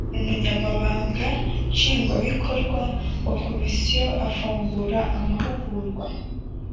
Umunyamabanga nshingwabikorwa wa Komisiyo afungura amahugurwa